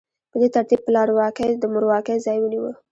په دې ترتیب پلارواکۍ د مورواکۍ ځای ونیو.